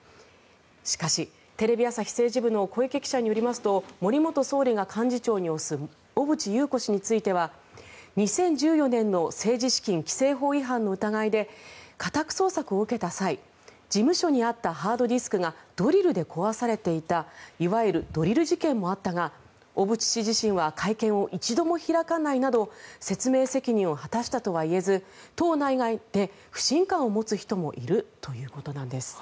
しかし、テレビ朝日政治部の小池記者によりますと森元総理が幹事長に推す小渕優子氏については２０１４年の政治資金規正法違反の疑いで家宅捜索を受けた際事務所にあったハードディスクがドリルで壊されていたいわゆるドリル事件もあったが小渕氏自身は会見を一度も開かないなど説明責任を果たしたとはいえず党内外で不信感を持つ人もいるということです。